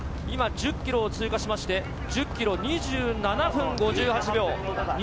今、１０キロを通過しまして、１０キロ２７分５８秒。